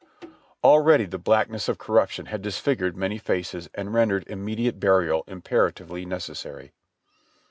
Already the blackness of corruption had disfigured many faces and rendered immediate burial imperatively necessary.